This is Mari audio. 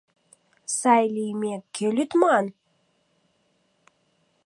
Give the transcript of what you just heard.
Сай лиймек, кӧ лӱдман?